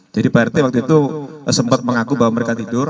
jadi pak rt waktu itu sempat mengaku bahwa mereka tidur